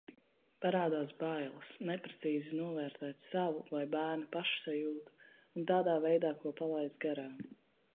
Parādās bailes neprecīzi novērtēt savu vai bērnu pašsajūtu, un tādā veidā ko palaist garām.